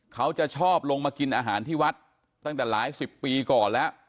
เขาจะชอบลงมากินอาหารที่วัดตั้งแต่หลายสิบปีก่อนแล้ว